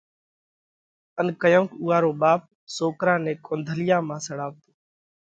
ان ڪيونڪ اُوئا رو ٻاپ سوڪرا نئہ ڪنڌولِيا مانه سڙاوَتو۔